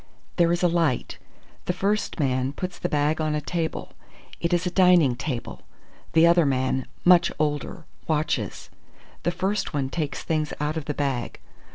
"There is a light. The first man puts the bag on a table; it is a dining table. The other man much older watches. The first one takes things out of the bag.